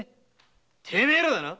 てめえらだな？